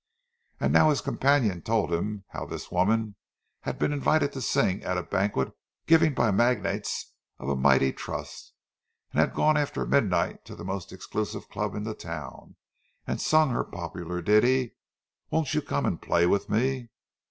—And now his companion told him how this woman had been invited to sing at a banquet given by the magnates of a mighty Trust, and had gone after midnight to the most exclusive club in the town, and sung her popular ditty, "Won't you come and play with me?"